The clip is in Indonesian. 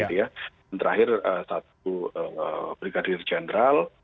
dan terakhir satu brigadir jenderal